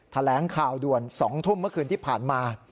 แถลงข่าวด่วน๒ทุ่มเมื่อคืนที่ผ่านมา